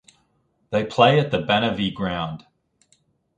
They play at the Banavie ground.